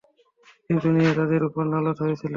এই দুনিয়ায়ও তাদের উপর লানত হয়েছিল।